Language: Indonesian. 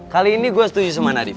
kali ini gue setuju sama nadief